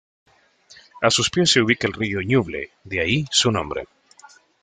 A sus pies se ubica el Río Ñuble, de ahí su nombre.